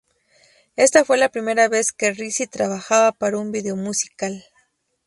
Esta fue la primera vez que Ricci trabajaba para un vídeo musical.